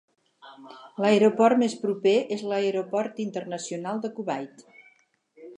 L'aeroport més proper és l'Aeroport Internacional de Kuwait.